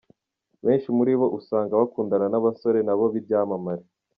Benshi muri aba usanga bakundana n’abasore nabo b’ibyamamare.